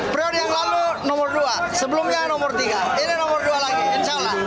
prioritas yang lalu nomor dua sebelumnya nomor tiga ini nomor dua lagi insya allah